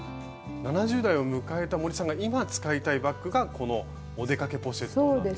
７０代を迎えた森さんが今使いたいバッグがこの「お出かけポシェット」なんですね。